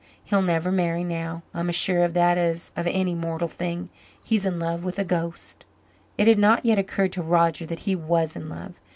He'll never marry now I'm as sure of that as of any mortal thing. He's in love with a ghost." It had not yet occurred to Roger that he was in love.